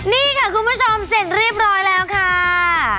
นี่ค่ะคุณผู้ชมเสร็จเรียบร้อยแล้วค่ะ